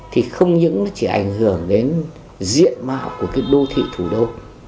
thì không những chỉ ảnh hưởng đến diện mạo của đô thị thủ đô